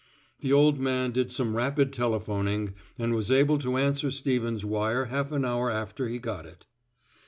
The old man did some rapid telephoning and was able to answer Stevens' wire half an hour after he got it.